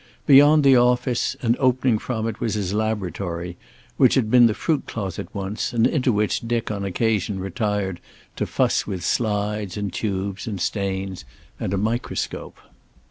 Beyond the office and opening from it was his laboratory, which had been the fruit closet once, and into which Dick on occasion retired to fuss with slides and tubes and stains and a microscope.